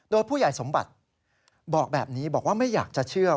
โดยผู้ใหญ่สมบัติบอกแบบนี้บอกว่าไม่อยากจะเชื่อ